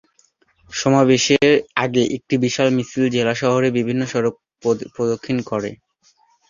সমাবেশের আগে একটি বিশাল মিছিল জেলা শহরের বিভিন্ন সড়ক প্রদক্ষিণ করে।